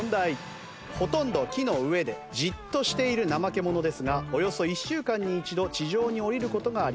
ほとんど木の上でじっとしているナマケモノですがおよそ一週間に一度地上に下りる事があります。